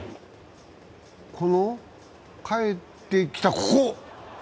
この返ってきたここ！